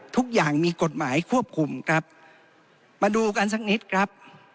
ทุกอย่างมีกฎหมายควบคุมครับมาดูกันสักนิดครับ